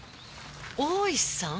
大石さん？